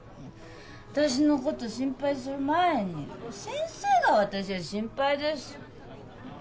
私のこと心配する前に先生が私は心配です。